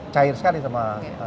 cair sekali sama